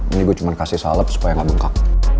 ini gue cuman kasih salep supaya gak bengkak